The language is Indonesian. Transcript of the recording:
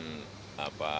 ini terus berulang pak